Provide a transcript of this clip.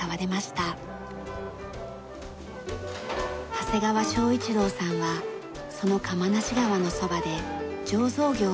長谷川正一郎さんはその釜無川のそばで醸造業を受け継いでいます。